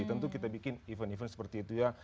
tentu kita bikin event event seperti itu ya